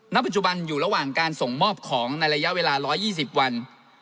ณปัจจุบันอยู่ระหว่างการส่งมอบของในระยะเวลา๑๒๐วัน